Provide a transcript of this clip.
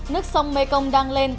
nước sông mekong đang lên